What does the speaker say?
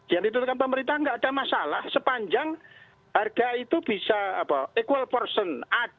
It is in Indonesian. yang ditutupkan pemerintah nggak ada masalah sepanjang harga itu bisa equal person